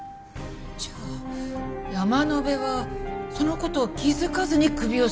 じゃあ山野辺はその事を気づかずに首を絞めた。